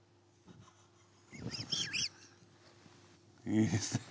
いいですね